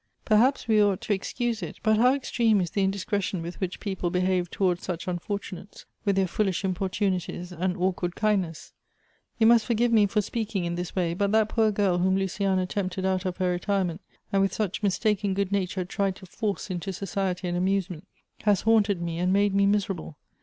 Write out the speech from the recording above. " Perhaps we ought to e.xcuse it, but how extreme is the indiscretion with which people behave towards such unfortunates, with their foolish importunities and awk ward kindness ! You must forgive me for speaking in this way, but that poor girl whom Luciana tempted out of her retirement, and with such mistaken good nature tried to force into society and amusement, has haunted me and made me miserable.